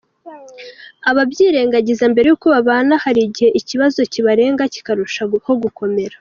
Ababyirengagiza mbere y’uko babana hari igihe ikibazo kibarenga kikarushaho gukomera.